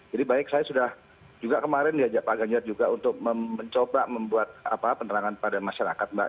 jadi baik saya sudah juga kemarin diajak pak ganjar juga untuk mencoba membuat penerangan pada masyarakat mbak